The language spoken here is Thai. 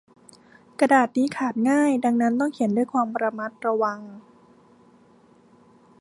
กระดาษนี้ขาดง่าย ดังนั้นต้องเขียนด้วยความระมัดระวัง